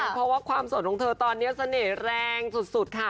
เพราะว่าความสดของเธอตอนนี้เสน่ห์แรงสุดค่ะ